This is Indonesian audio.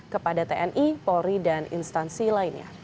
kepada tni polri dan instansi lainnya